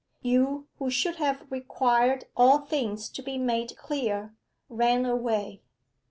You, who should have required all things to be made clear, ran away.